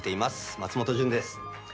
松本潤です。